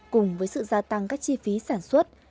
cùng với sự gia tăng các chi phí sản xuất